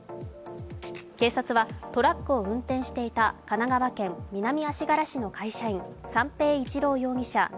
警察は、トラックを運転していた神奈川県南足柄市の会社員、三瓶一郎容疑者